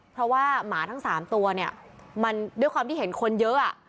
เพราะว่าหมาทั้ง๓ตัวเนี่ยมันด้วยความที่เห็นคนเยอะ